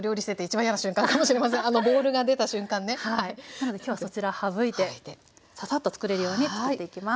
なので今日はそちら省いてササッとつくれるようにつくっていきます。